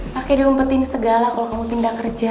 pakai diompetin segala kalau kamu pindah kerja